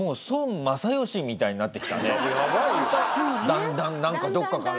だんだんなんかどこかから。